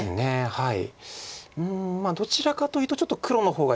はい。